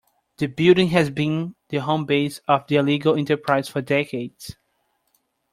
The building has been the home base of the illegal enterprise for decades.